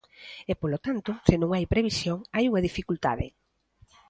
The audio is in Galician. E, polo tanto, se non hai previsión, hai unha dificultade.